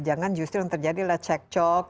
jangan justru yang terjadi adalah cek cok